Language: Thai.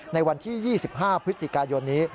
ในวันที่๒๕พฤศจิกายนนี้